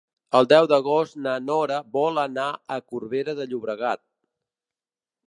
El deu d'agost na Nora vol anar a Corbera de Llobregat.